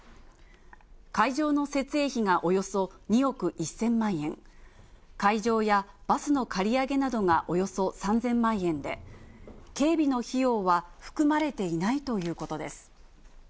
会場の設営費がおよそ２億１０００万円、会場やバスの借り上げなどがおよそ３０００万円で、警備の費用は含まれていないということです。